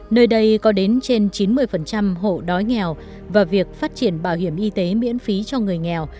nơi đây có đến trên chín mươi hộ đói nghèo và việc phát triển bảo hiểm y tế miễn phí cho người nghèo